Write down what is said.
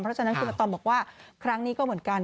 เพราะฉะนั้นคุณอาตอมบอกว่าครั้งนี้ก็เหมือนกัน